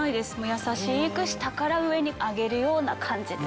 優しく下から上に上げるような感じで。